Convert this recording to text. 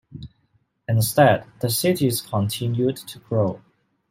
Instead, the cities continued to grow.